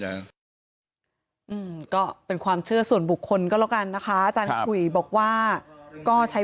อืมก็เป็นความเชื่อส่วนบุคคลก็แล้วกันนะคะอาจารย์ขุยบอกว่าก็ใช้